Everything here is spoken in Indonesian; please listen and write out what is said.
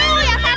lo yang setan